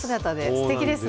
すてきですね。